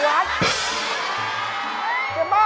อยากขอให้ได้รัฐ